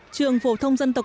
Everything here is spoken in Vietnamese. trường phổ thông dân tộc